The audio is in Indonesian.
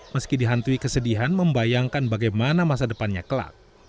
meski dihantui kesedihan membayangkan bagaimana masa depannya kelak